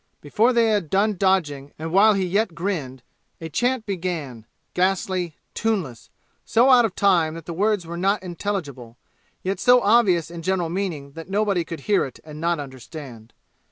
Before they had done dodging and while he yet grinned, a chant began ghastly tuneless so out of time that the words were not intelligible yet so obvious in general meaning that nobody could hear it and not understand.